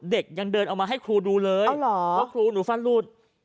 เด็กยังเดินเอามาให้ครูดูเลยเพราะครูหนูฟันหลุด